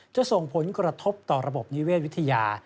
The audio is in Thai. จะส่งผลกระทบต่อระบบนิเวศวิทยา